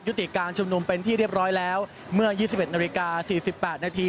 ติการชุมนุมเป็นที่เรียบร้อยแล้วเมื่อ๒๑นาฬิกา๔๘นาที